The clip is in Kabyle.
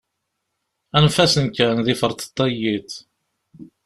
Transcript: Anef-asen kan, d iferṭeṭṭa n yiḍ.